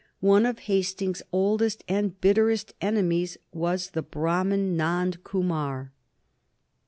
One of Hastings's oldest and bitterest enemies was the Brahmin Nand Kumar.